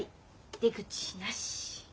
出口なし。